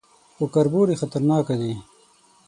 _خو کربوړي خطرناکه دي.